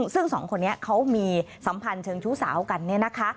ซึ่งสองคนนี้เขามีสัมพันธ์เชิงชู้สาวกันเนี่ยนะคะ